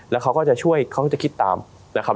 แล้วเขาก็จะช่วยเขาก็จะคิดตามนะครับ